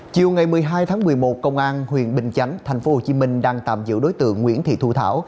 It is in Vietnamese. chiều ngày một mươi hai tháng một mươi một công an huyện bình chánh tp hcm đang tạm giữ đối tượng nguyễn thị thu thảo